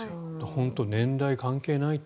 本当に年代関係ないと。